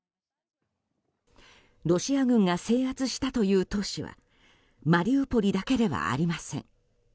ロシア軍が制圧したという都市はマリウポリだけではありません。